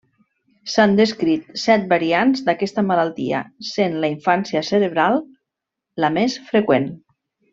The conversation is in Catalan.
S'han descrit set variants d'aquesta malaltia, sent la infància cerebral la més freqüent.